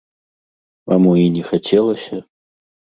А мо і не хацелася?